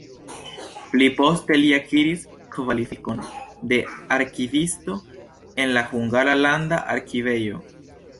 Pli poste li akiris kvalifikon de arkivisto en la Hungara Landa Arkivejo.